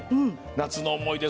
「夏の思い出」